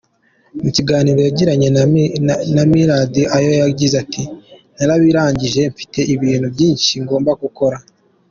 Mu kiganiro yagiranye na Millard Ayo yagize ati “Narabirangije, mfite ibintu byinshi ngomba gukora.